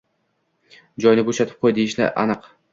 «Joyni bo’shatib qo’y», deyishi aniq